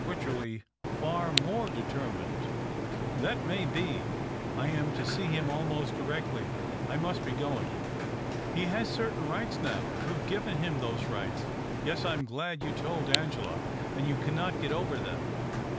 Wycherley far more deter mined." 292 THE OCTAVE OF CLAUDIUS. " That may be. I am to see him — almost directly. I must be going." " He has certain rights now. You have given him those rights — yes, I am glad you told Angela — and you cannot get over them."